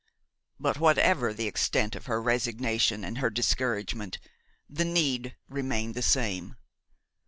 But, whatever the extent of her resignation and her discouragement, the need remained the same.